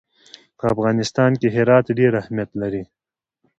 په افغانستان کې هرات ډېر اهمیت لري.